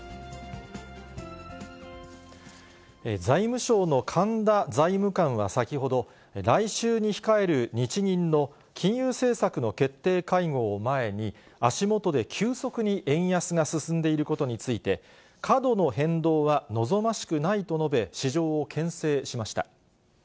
財務省のかんだ財務官は先ほど、来週に控える日銀の金融政策の決定会合を前に、足元で急速に円安が進んでいることについて、過度の変動は望ましくないと述べ、市場をけん制しました。